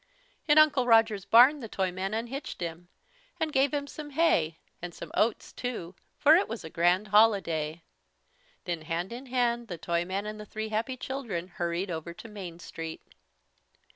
In Uncle Roger's barn the Toyman unhitched him, and gave him some hay and some oats too, for it was a grand holiday. Then hand in hand the Toyman and the three happy children hurried over to Main Street.